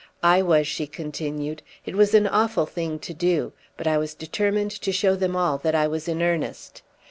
"I was," she continued. "It was an awful thing to do; but I was determined to show them all that I was in earnest.